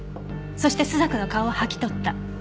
「そして朱雀の顔を剥ぎ取った」